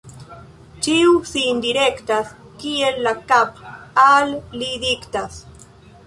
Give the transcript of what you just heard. Ĉiu sin direktas, kiel la kap' al li diktas.